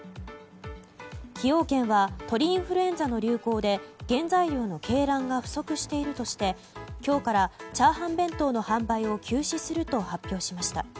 崎陽軒は鳥インフルエンザの流行で原材料の鶏卵が不足しているとして今日から炒飯弁当の販売を休止すると発表しました。